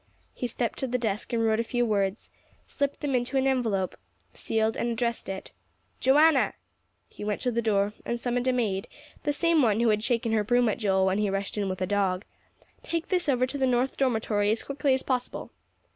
He stepped to the desk and wrote a few words, slipped them into an envelope, sealed and addressed it. "Joanna!" He went to the door and summoned a maid, the same one who had shaken her broom at Joel when he rushed in with the dog. "Take this over to the North Dormitory as quickly as possible."